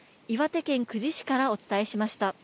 岩手県久慈市からお伝えしました。